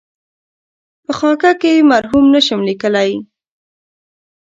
په خاکه کې یې مرحوم نشم لېکلای.